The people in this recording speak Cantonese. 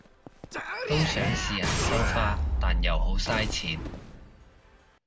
都想試下收花，但又好晒錢